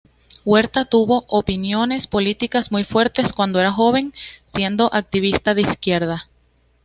Huerta tuvo opiniones políticas muy fuertes cuando era joven, siendo activista de izquierda.